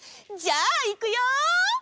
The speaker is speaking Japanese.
じゃあいくよ。